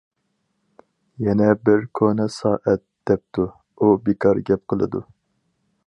يەنە بىر كونا سائەت دەپتۇ:- ئۇ بىكار گەپ قىلىدۇ.